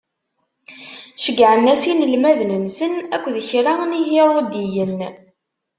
Ceggɛen-as inelmaden-nsen akked kra n Ihiṛudiyen.